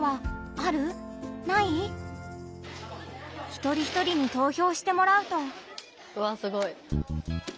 一人一人に投票してもらうと。わすごい。